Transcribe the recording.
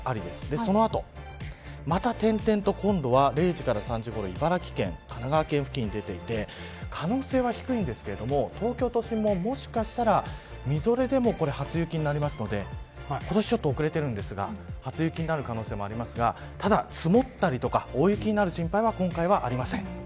その後、また点々と今度は０時から３時ごろ茨城県、神奈川県に出ていて可能性は低いんですけど東京都心ももしかしたらみぞれでも初雪になるので今年ちょっと遅れてるんですが初雪になる可能性もありますがただ、積もったりとか大雪になる心配は今回はありません。